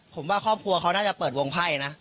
ผมว่าครอบครัวเขาน่าจะเปิดวงไพ่นะ